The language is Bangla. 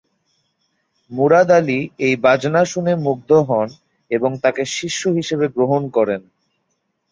মুরাদ আলী এই বাজনা শুনে মুগ্ধ হন এবং তাঁকে শিষ্য হিসেবে গ্রহণ করেন।